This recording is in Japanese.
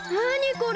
これ。